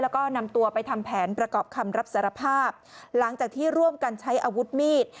คำรับสารภาพหลังจากที่ร่วมกันใช้อาวุธมีด